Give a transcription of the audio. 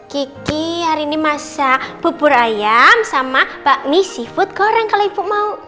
kiki hari ini masak bubur ayam sama bakmi seafood goreng kalau ibu mau